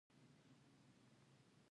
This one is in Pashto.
چارواکي هڅه کوي چې خپل خپلوان بریالي کړي